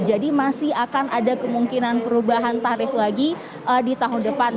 jadi masih akan ada kemungkinan perubahan tarif lagi di tahun depan